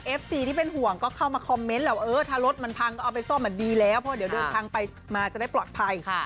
ซีที่เป็นห่วงก็เข้ามาคอมเมนต์แหละเออถ้ารถมันพังก็เอาไปซ่อมดีแล้วเพราะเดี๋ยวเดินทางไปมาจะได้ปลอดภัย